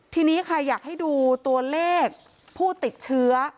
ทีนี้ค่ะอยากให้ดูตัวเลขผู้ติดเชื้อ